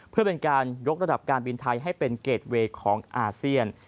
เพื่อเป็นการยกระดับการบินไทยให้เป็นเกรดเวย์ของอาเซียน